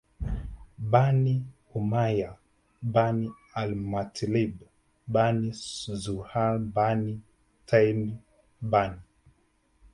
Bani Umayyah Bani al Muttwalib Bani Zuhrah Bani Taym Bani